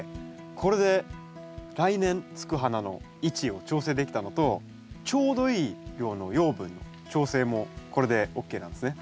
これで来年つく花の位置を調整できたのとちょうどいい量の養分の調整もこれでＯＫなんですね。